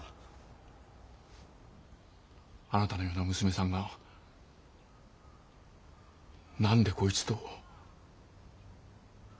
あなたのような娘さんが何でこいつと？